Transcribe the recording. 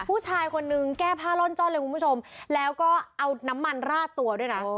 ผู้ชายคนนึงแก้ผ้าล่อนจ้อนเลยคุณผู้ชมแล้วก็เอาน้ำมันราดตัวด้วยนะ